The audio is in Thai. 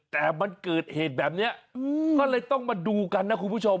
แต่มันเกิดเหตุแบบนี้ก็เลยต้องมาดูกันนะคุณผู้ชม